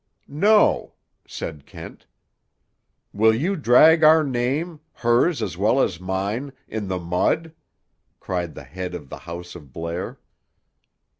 "No," said Kent. "Will you drag our name, hers as well as mine, in the mud?" cried the head of the house of Blair.